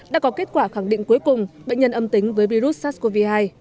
đã có kết quả khẳng định cuối cùng bệnh nhân âm tính với virus sars cov hai